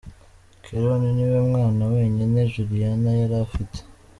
Keron niwe mwana wenyine Juliana yari afite.